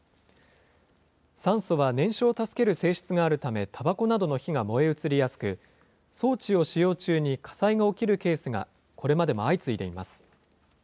酸素は燃焼を助ける性質があるため、たばこなどの火が燃え移りやすく、装置を使用中に火災の起きるケースがこれまでも相次いでいます。